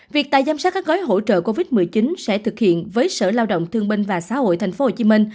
việc tài giám sát các gói hỗ trợ covid một mươi chín sẽ thực hiện với sở lao động thương binh và xã hội tp hcm